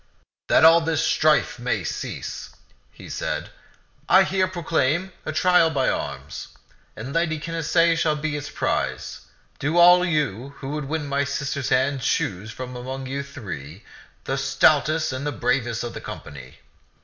"That all this strife may cease," he said, "I here proclaim a trial by arms, and Lady Canacee shall be its prize. Do all you who would win my sister's hand choose from among you three, the stoutest and the bravest of the company.